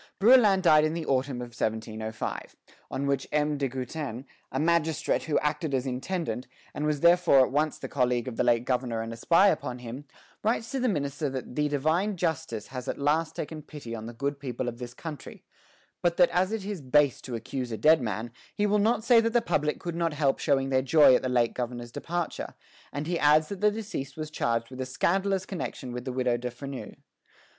Brouillan died in the autumn of 1705, on which M. de Goutin, a magistrate who acted as intendant, and was therefore at once the colleague of the late governor and a spy upon him, writes to the minister that "the divine justice has at last taken pity on the good people of this country," but that as it is base to accuse a dead man, he will not say that the public could not help showing their joy at the late governor's departure; and he adds that the deceased was charged with a scandalous connection with the Widow de Freneuse.